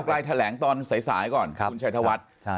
๙ไกลแถลงตอนใสก่อนคุณชายธวัฒน์